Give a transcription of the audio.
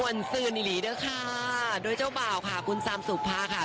ส่วนซื่อนิหลีด้วยค่ะโดยเจ้าบ่าวค่ะคุณซามสุภาค่ะ